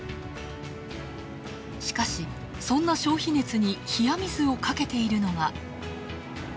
しかし、そんな消費熱に冷や水をかけているのが。